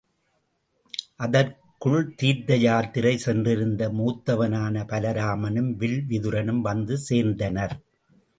அதற்குள் தீர்த்த யாத்திரை சென்றிருந்த மூத்தவனான பலராமனும் வில் விதுரனும் வந்து சேர்ந்தனர்.